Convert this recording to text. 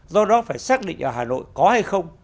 do đó phải xác định ở hà nội có hay không